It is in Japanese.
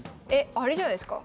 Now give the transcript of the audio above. あれじゃないすか？